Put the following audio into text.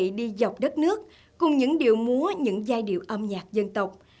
chúng tôi đã đưa quý vị đi dọc đất nước cùng những điệu múa những giai điệu âm nhạc dân tộc